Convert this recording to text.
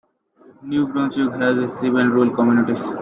New Brunswick has seven rural communities.